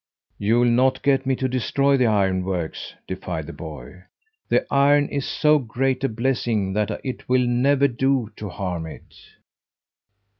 "You'll not get me to destroy the ironworks!" defied the boy. "The iron is so great a blessing that it will never do to harm it."